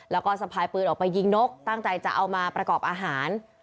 แล้วก็สะพายปืนออกไปยิงนกตั้งใจจะเอามาประกอบอาหาร